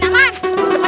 tidak tidak tidak